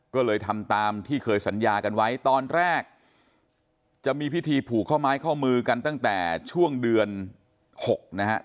ก็เลยทำตามที่เคยสัญญากันไว้ตอนแรกจะมีพิธีผูกข้อไม้ข้อมือกันตั้งแต่ช่วงเดือน๖นะฮะ